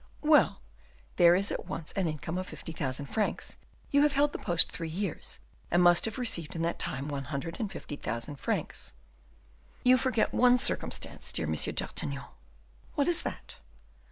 "Well, there is at once an income of fifty thousand francs; you have held the post three years, and must have received in that time one hundred and fifty thousand francs." "You forget one circumstance, dear M. d'Artagnan." "What is that?"